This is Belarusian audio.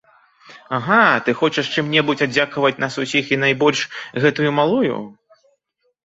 Ага, ты хочаш чым-небудзь аддзякаваць нас усіх і найбольш гэтую малую?